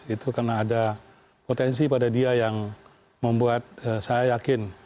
itu karena ada potensi pada dia yang membuat saya yakin